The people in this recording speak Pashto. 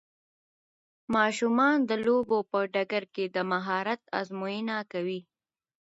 ماشومان د لوبو په ډګر کې د مهارت ازموینه کوي.